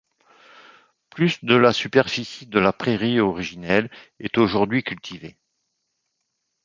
Plus de de la superficie de la prairie originelle est aujourd'hui cultivée.